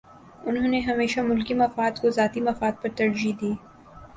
انہوں نے ہمیشہ ملکی مفاد کو ذاتی مفاد پر ترجیح دی۔